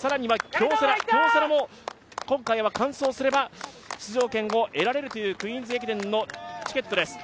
更には京セラも今回は完走すれば出場権を得られるというクイーンズ駅伝のチケットです。